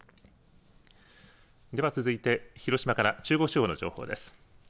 では続いて、広島から中国地方の情報です。